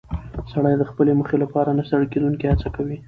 سړی د خپلې موخې لپاره نه ستړې کېدونکې هڅه کوي